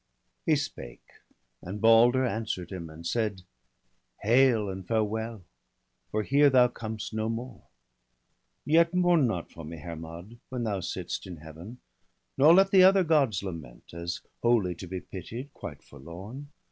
He spake ; and Balder answer'd him, and said :—' Hail and farewell ! for here thou com'st no more. Yet mourn not for me, Hermod, when thou sitt'st In Heaven, nor let the other Gods lament, As wholly to be pitied, quite forlorn.